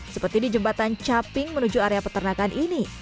seperti di jembatan caping menuju area peternakan ini